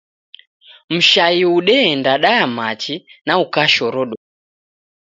Mshai udeenda daya machi na ukashorodoka.